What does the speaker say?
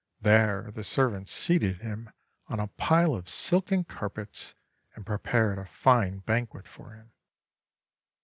There the servants seated him on a pile of silken carpets, and prepared a fine banquet for him.